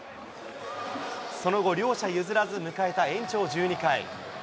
その後、両者譲らず迎えた延長１２回。